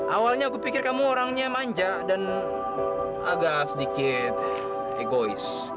awalnya aku pikir kamu orangnya manja dan agak sedikit egois